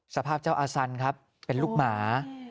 สภาพเจ้าอาสันครับเป็นลูกหมา